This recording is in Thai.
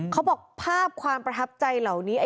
เขาบอกภาพความประทับใจเหล่านี้